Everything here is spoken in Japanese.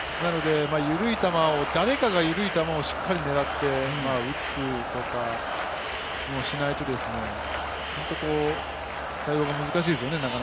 誰かが緩い球をしっかり狙って打つとかしないと本当に対応が難しいですよね。